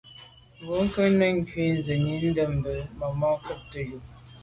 Bwɔ́ŋkə́’ nɛ̀n cɔ́sì ndʉ sɛ́ɛ̀nî ndɛ́mbə̄ júp màmá cúptə́ úp.